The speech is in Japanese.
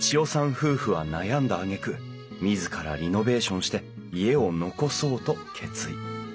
夫婦は悩んだあげく自らリノベーションして家を残そうと決意。